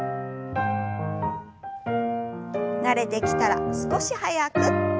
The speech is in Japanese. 慣れてきたら少し早く。